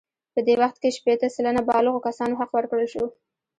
په دې وخت کې شپیته سلنه بالغو کسانو حق ورکړل شو.